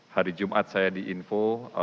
hari jumat saya diinfo